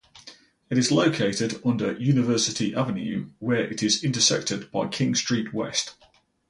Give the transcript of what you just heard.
It is located under University Avenue where it is intersected by King Street West.